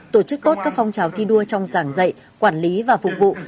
tổ chức tốt các phong trào thi đua trong giảng dạy quản lý và phục vụ